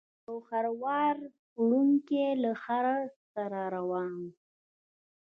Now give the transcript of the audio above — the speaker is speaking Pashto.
یو خروار وړونکی له خره سره روان و.